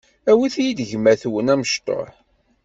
awit-iyi-d gma-twen amecṭuḥ.